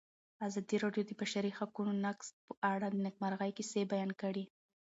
ازادي راډیو د د بشري حقونو نقض په اړه د نېکمرغۍ کیسې بیان کړې.